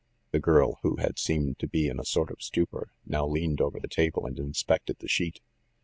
The girl, who had seemed to be in a sort of stupor, now leaned over the table and inspected the sheet.